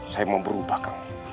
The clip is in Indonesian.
saya mau berubah kang